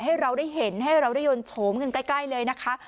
ให้เราได้เห็นให้เราได้ยนโฉมกันใกล้เลยนะคะ